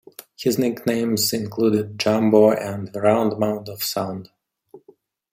His nicknames included "Jumbo" and "The Round Mound of Sound".